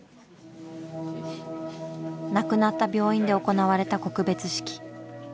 亡くなった病院で行われた告別式。